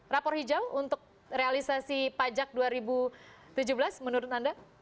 rapor hijau untuk realisasi pajak dua ribu tujuh belas menurut anda